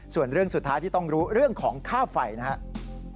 ส่วนเรื่องสุดท้ายที่ต้องรู้เรื่องของค่าไฟนะครับ